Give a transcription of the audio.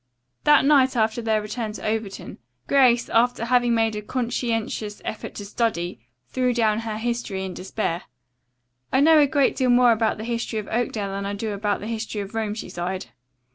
The night after their return to Overton, Grace, after having made a conscientious effort to study, threw down her history in despair. "I know a great deal more about the history of Oakdale than I do about the history of Rome," she sighed.